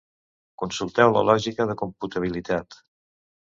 Consulteu la lògica de computabilitat.